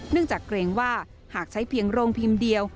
จากเกรงว่าหากใช้เพียงโรงพิมพ์เดียว